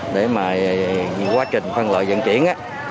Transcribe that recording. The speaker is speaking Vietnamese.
để quá trình phân loại dân chuyển